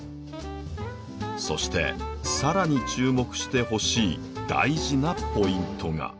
そして更に注目してほしい大事なポイントが。